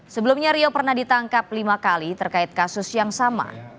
sebelumnya rio pernah ditangkap lima kali terkait kasus yang sama